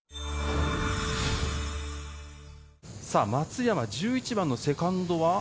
松山、１１番のセカンドは。